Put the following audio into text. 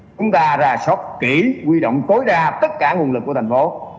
chúng ta ra sốc kỹ quy động tối đa tất cả nguồn lực của thành phố